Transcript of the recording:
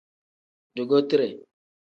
Dugotire.